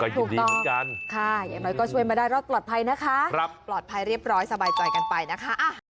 โชคดีเหมือนกันค่ะอย่างน้อยก็ช่วยมาได้รอดปลอดภัยนะคะปลอดภัยเรียบร้อยสบายใจกันไปนะคะ